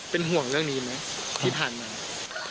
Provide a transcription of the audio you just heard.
เป็นห่วงเรื่องนี้ไหมที่ผ่านมา